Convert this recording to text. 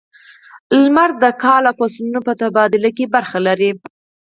• لمر د کال او فصلونو په تبادله کې برخه لري.